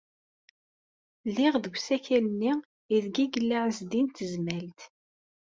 Lliɣ deg usakal-nni aydeg yella Ɛezdin n Tezmalt.